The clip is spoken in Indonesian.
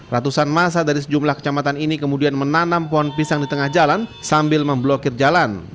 ratusan masa dari sejumlah kecamatan ini kemudian menanam pohon pisang di tengah jalan sambil memblokir jalan